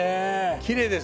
きれいですね。